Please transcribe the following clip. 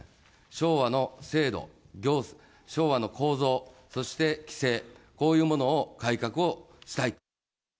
昭和の制度、昭和の構造、そして規制、こういうものを改革をしたい。